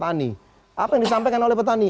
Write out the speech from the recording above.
tani apa yang disampaikan oleh petani